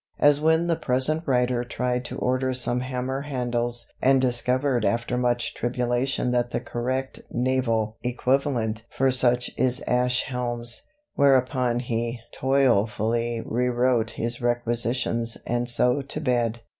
As when the present writer tried to order some hammer handles and discovered after much tribulation that the correct naval equivalent for such is 'ash helms.' Whereupon he toilfully rewrote his requisitions 'and so to bed.'